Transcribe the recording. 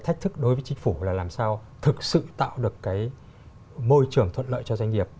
thách thức đối với chính phủ là làm sao thực sự tạo được cái môi trường thuận lợi cho doanh nghiệp